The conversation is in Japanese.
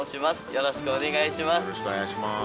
よろしくお願いします。